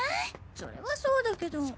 それはそうだけど。